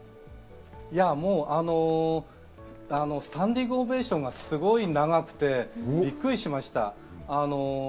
スタンディングオベーションがすごく長くてびっくりしました。